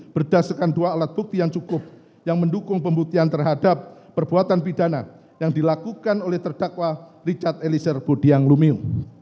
berdasarkan dua alat bukti yang cukup yang mendukung pembuktian terhadap perbuatan pidana yang dilakukan oleh terdakwa richard eliezer budiang lumiu